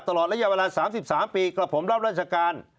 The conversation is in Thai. ตลอดระยะเวลา๓๓ปีกับผมรับราชการ